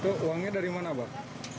itu uangnya dari mana bang